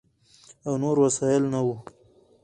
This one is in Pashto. او نور وسایل نه ؤ،